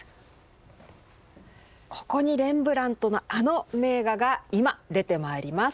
ここにレンブラントのあの名画が今出てまいります！